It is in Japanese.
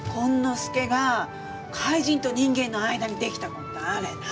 介が怪人と人間の間にできた子ってあれ何？